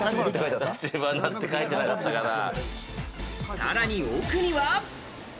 さらに奥には。